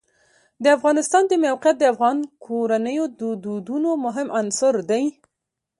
د افغانستان د موقعیت د افغان کورنیو د دودونو مهم عنصر دی.